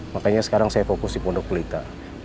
makanya sekarang saya fokus di pondok pelita